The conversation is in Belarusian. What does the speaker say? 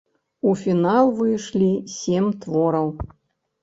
У фінал выйшлі сем твораў.